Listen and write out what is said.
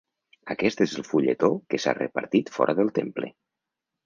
Aquest és el fulletó que s’ha repartit fora del temple.